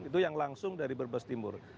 itu yang langsung dari berbes timur